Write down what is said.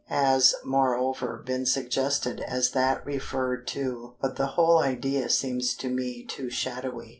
has, moreover, been suggested as that referred to, but the whole idea seems to me too shadowy.